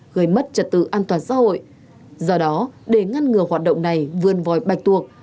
gây mất trật tự an toàn xã hội do đó để ngăn ngừa hoạt động này vươn vòi bạch tuộc